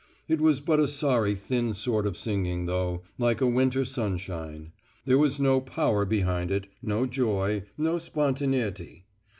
It was but a sorry thin sort of singing though, like a winter sunshine; there was no power behind it, no joy, no spontaneity.